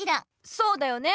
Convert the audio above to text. そうだよね。